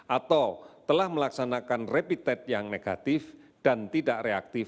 atau telah melaksanakan repitet yang negatif dan tidak reaktif